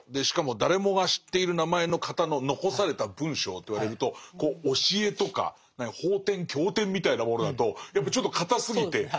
しかも誰もが知っている名前の方の残された文章といわれると教えとか法典経典みたいなものだとやっぱちょっと堅すぎて。